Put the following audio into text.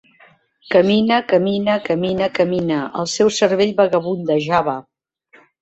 Camina, camina, camina, camina; el seu cervell vagabundejava.